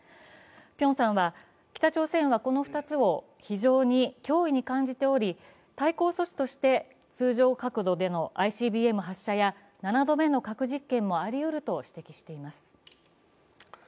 辺さんは北朝鮮をこの２つを非常に脅威に感じており対抗措置として通常角度でのＩＣＢＭ発射や７度目の核実験もありうると指摘しています。